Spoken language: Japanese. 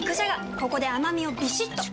ここで甘みをビシッと！